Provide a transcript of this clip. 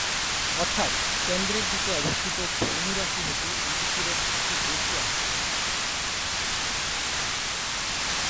অর্থাৎ কেন্দ্রের দিকে অবস্থিত ধনু রাশি হতে এই বিকিরণ সবচেয়ে বেশি আসছে।